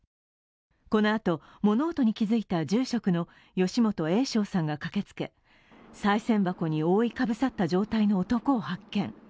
このあと、物音に気づいた住職の吉本栄昶さんが駆けつけ、さい銭箱に覆いかぶさった状態の男を発見。